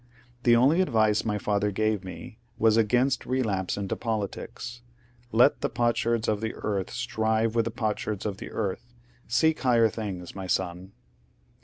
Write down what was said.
The only advice my father gave me was against relapse into politics. ^^ Let the potsherds of the earth strive with the potsherds of the earth : seek higher things, my son!"